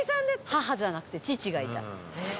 母じゃなくて父がいた。